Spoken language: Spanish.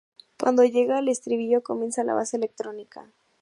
Cuando llega al estribillo comienza la base electrónica.